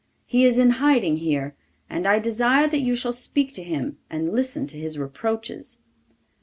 He is in hiding here, and I desire that you shall speak to him, and listen to his reproaches.